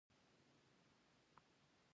ټیټه بیه کله کله شک پیدا کوي.